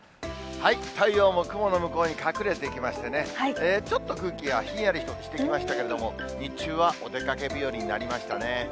太陽も雲の向こうに隠れてきましてね、ちょっと空気がひんやりしてきましたけれども、日中はお出かけ日和になりましたね。